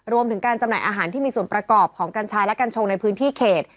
รวมถึงการจำหน่ายอาหารที่มีส่วนประกอบของกัญชาและกัญชงในพื้นที่เขต